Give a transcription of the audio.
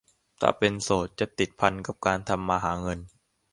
แต่ถ้าเป็นโสดจะติดพันกับการทำมาหาเงิน